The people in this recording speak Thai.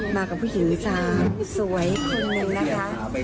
มากับผู้หญิงอีซานสวยคนนึงนะคะ